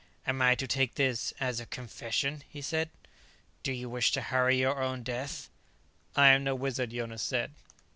"Am I to take this as a confession?" he said. "Do you wish to hurry your own death?" "I am no wizard," Jonas said.